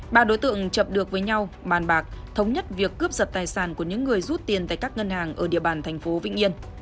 ba đối tượng chập được với nhau bàn bạc thống nhất việc cướp giật tài sản của những người rút tiền tại các ngân hàng ở địa bàn thành phố vĩnh yên